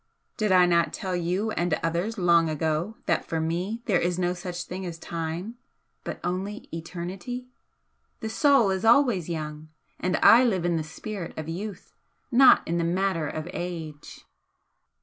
"Did I not tell you and others long ago that for me there is no such thing as time, but only eternity? The soul is always young, and I live in the Spirit of youth, not in the Matter of age."